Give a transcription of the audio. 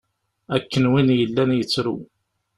Akken win yellan yettru.